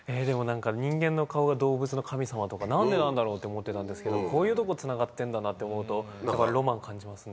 人間の顔が動物の神様とか何でなんだろうって思ってたんですけどこういうとこつながってんだなって思うとロマン感じますね。